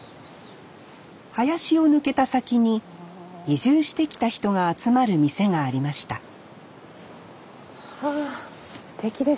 林を抜けた先に移住してきた人が集まる店がありましたはすてきですね。